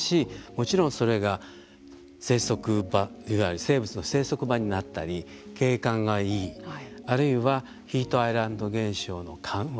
もちろんそれが生息場いわゆる生物の生息場になったり景観がいいあるいはヒートアイランド現象の緩和。